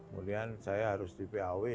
kemudian saya harus di paw